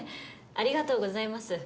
ありがとうございます。